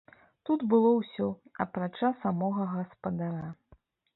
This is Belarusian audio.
Тут было ўсё, апрача самога гаспадара.